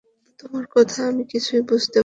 তোমার কথা আমি কিছুই বুঝতে পারছি না।